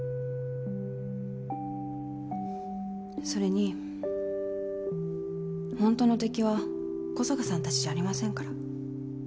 それにホントの敵は小坂さんたちじゃありませんから。